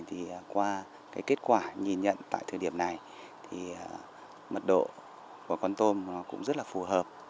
thì qua cái kết quả nhìn nhận tại thời điểm này thì mật độ của con tôm nó cũng rất là phù hợp